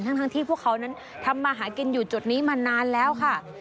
ทั้งที่พวกเขานั้นทำมาหากินอยู่จุดนี้มานานแล้วค่ะ